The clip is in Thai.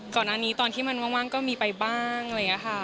ก่อนอันนี้ตอนที่มันว่างก็มีไปบ้างเลยค่ะ